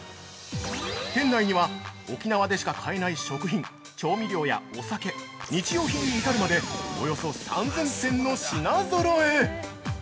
店内には沖縄でしか買えない食品、調味料やお酒、日用品に至るまでおよそ３０００点の品ぞろえ！